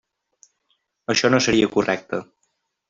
Això no seria correcte.